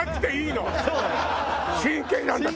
真剣なんだから！